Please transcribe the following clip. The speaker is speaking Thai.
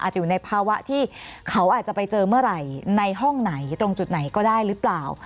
อยู่ในภาวะที่เขาอาจจะไปเจอเมื่อไหร่ในห้องไหนตรงจุดไหนก็ได้หรือเปล่า